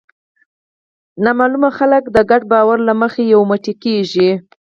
ناآشنا خلک د ګډ باور له مخې یو موټی کېږي.